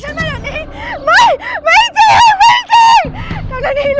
จนถึงวันนี้มาม้ามีเงิน๔ปี